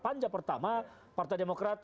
panja pertama partai demokrat